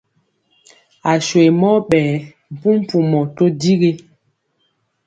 Aswe mɔ ɓɛɛ mpumpumɔ to digi.